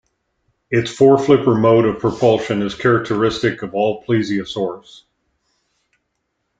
Its four-flipper mode of propulsion is characteristic of all plesiosaurs.